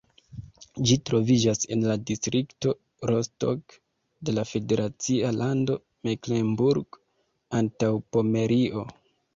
Ĝi troviĝas en la distrikto Rostock de la federacia lando Meklenburgo-Antaŭpomerio.